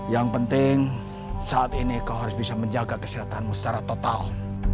yang penting saat ini kau harus bisa menjaga kesehatanmu secara total